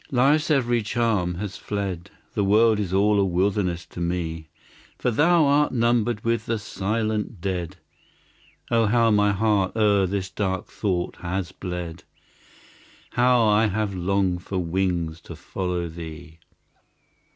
Life's every charm has fled, The world is all a wilderness to me; "For thou art numbered with the silent dead." Oh, how my heart o'er this dark thought has bled! How I have longed for wings to follow thee!